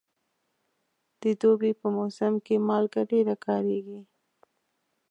د دوبي په موسم کې مالګه ډېره کارېږي.